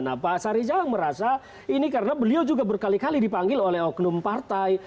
nah pak sarijang merasa ini karena beliau juga berkali kali dipanggil oleh oknum partai